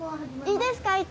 いいですか？